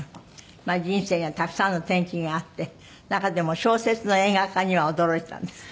まあ人生にはたくさんの転機があって中でも小説の映画化には驚いたんですって？